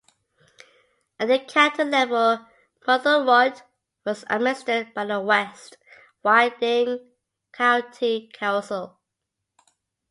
At a county level Mytholmroyd was administered by the West Riding County Council.